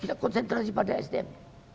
kita konsentrasi pada sdm